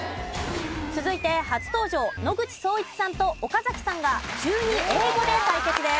続いて初登場野口聡一さんと岡崎さんが中２英語で対決です。